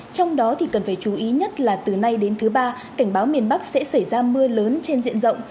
trong đó thì cần phải chú ý nhất là từ nay đến thứ ba cảnh báo miền bắc sẽ xảy ra mưa lớn trên diện rộng